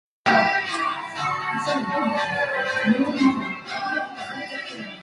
Journeys into London take around one hour.